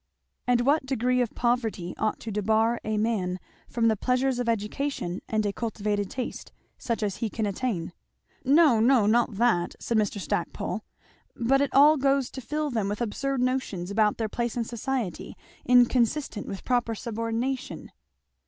"And what degree of poverty ought to debar a man from the pleasures of education and a cultivated taste? such as he can attain? "No, no, not that," said Mr. Stackpole; "but it all goes to fill them with absurd notions about their place in society, inconsistent with proper subordination."